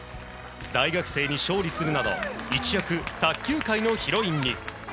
大学生に勝利するなど一躍、卓球界のヒロインに。